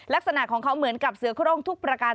ลักษณะของเขาเหมือนกับเสือโครงทุกประการ